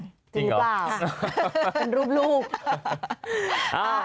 จริงหรือเปล่า